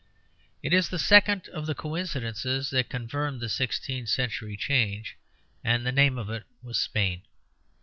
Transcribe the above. It is the second of the coincidences that confirmed the sixteenth century change, and the name of it was Spain.